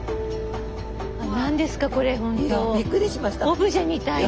オブジェみたいな。